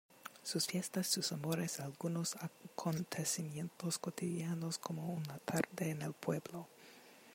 Sus fiestas, sus amores, algunos acontecimientos cotidianos como una tarde en el pueblo.